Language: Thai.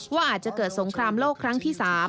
ว่าอาจจะเกิดสงครามโลกครั้งที่๓